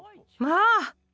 まあ！